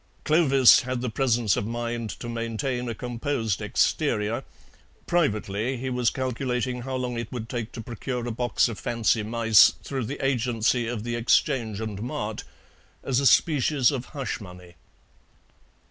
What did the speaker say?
Clovis had the presence of mind to maintain a composed exterior; privately he was calculating how long it would take to procure a box of fancy mice through the agency of the EXCHANGE AND MART as a species of hush money.